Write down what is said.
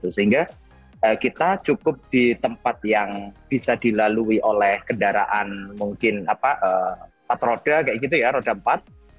sehingga kita cukup di tempat yang bisa dilalui oleh kendaraan mungkin empat roda kayak gitu ya roda empat